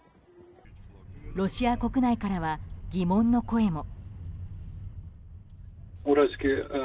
ロシア国内からは疑問の声も。